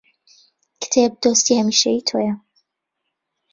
کتێب دۆستی هەمیشەیی تۆیە